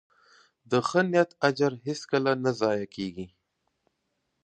د ښه نیت اجر هیڅکله نه ضایع کېږي.